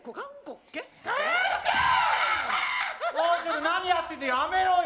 おちょっと何やってやめろよ！